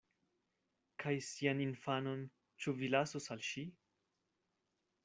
Kaj sian infanon ĉu vi lasos al ŝi?